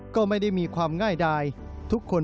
ก็ไม่ได้มีความเสี่ยงสะท้อน